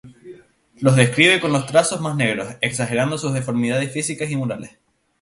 Los describe con los trazos más negros, exagerando sus deformidades físicas y morales.